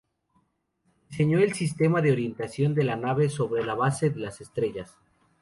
Diseñó el sistema de orientación de la nave sobre la base de las estrellas.